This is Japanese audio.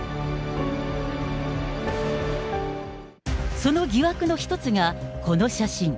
その疑惑の一つが、この写真。